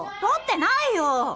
取ってないよ！